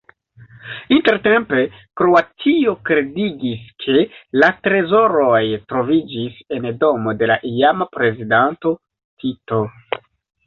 Intertempe Kroatio kredigis, ke la trezoroj troviĝis en domo de la iama prezidanto Tito.